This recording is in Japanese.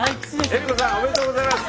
江里子さんおめでとうございます。